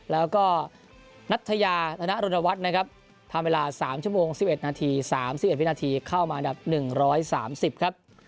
แล้วก็นัทยาธนรณวัฒน์นะครับทำเวลา๓ชั่วโมง๑๑นาที๓๑วินาทีเข้ามาอันดับ๑๓๐ครับ